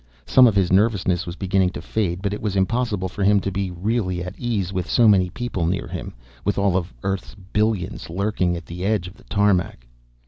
Some of his nervousness was beginning to fade, but it was impossible for him to be really at ease with so many people near him, with all of Earth's billions lurking at the edge of the tarmac.